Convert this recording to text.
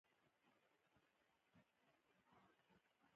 کانت وویل ما هم همداسې فرض کړه چې مینه ورسره لرې.